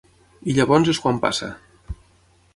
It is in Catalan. I llavors és quan passa.